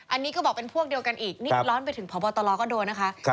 อันนี้ก็บอกเป็นพวกเดียวกันอีกนี่ร้อนไปถึงพบตรก็โดนนะคะ